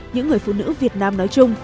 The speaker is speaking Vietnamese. những người phụ nữ việt nam nói chung